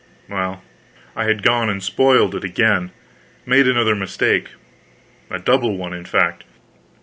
Well, I had gone and spoiled it again, made another mistake. A double one, in fact.